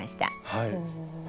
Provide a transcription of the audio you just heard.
はい。